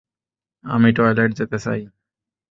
আমি টয়লেট যেতে চাই।